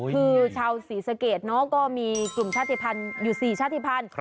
คือชาวศรีสะเกดเนาะก็มีกลุ่มชาติภัณฑ์อยู่๔ชาติภัณฑ์